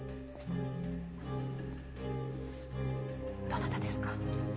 どなたですか？